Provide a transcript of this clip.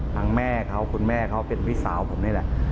แม่เขาคุณแม่เขาเป็นพี่สาวผมนี่แหละ